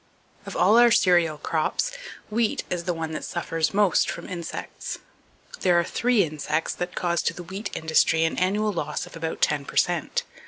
—Of all our cereal crops, wheat is the one that suffers most from [Page 210] insects. There are three insects that cause to the wheat industry an annual loss of about ten per cent.